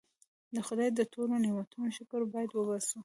د خدای د ټولو نعمتونو شکر باید وباسو.